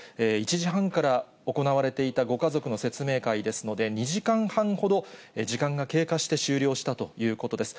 １時半から行われていたご家族の説明会ですので、２時間半ほど時間が経過して終了したということです。